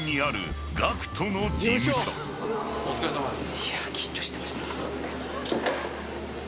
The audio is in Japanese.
お疲れさまです。